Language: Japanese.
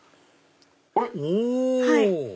あれ⁉お！